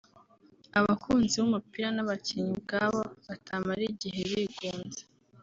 abakunzi b’umupira n’abakinnyi ubwabo batamara igihe bigunze